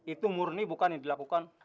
itu murni bukan yang dilakukan